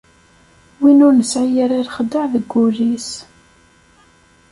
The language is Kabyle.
Win ur nesɛi ara lexdeɛ deg wul-is.